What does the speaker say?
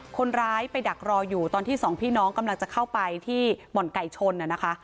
คนร้ายไปดักรออยู่ตอนที่สองพี่น้องกำลังจะเข้าไปที่บ่อนไก่ชนนะคะ